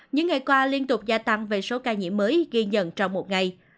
những ngày qua liên tục gia tăng về số ca nhiễm mới ghi nhận trong một ngày